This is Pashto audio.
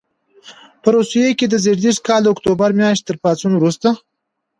په روسیې کې د زېږدیز کال د اکتوبر میاشتې تر پاڅون وروسته.